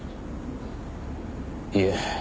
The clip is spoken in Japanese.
いえ